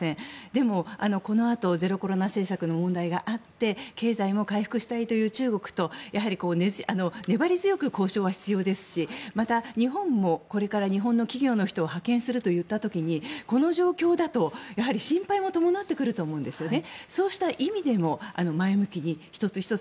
でも、このあとゼロコロナ政策の問題があって経済も回復したいという中国とやはり粘り強く交渉は必要ですしまた、日本もこれから日本の企業の人を派遣するといった時にこの状況だと、やはり心配も伴ってくると思うんですよね。